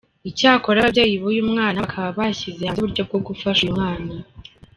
Icyakora ababyeyi b’uyu mwana bakaba bashyize hanze uburyo bwo gufasha uyu mwana:.